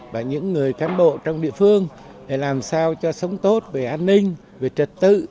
và những người cán bộ trong địa phương để làm sao cho sống tốt về an ninh về trật tự